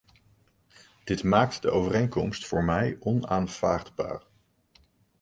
Dit maakt de overeenkomst voor mij onaanvaardbaar.